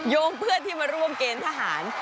งเพื่อนที่มาร่วมเกณฑ์ทหาร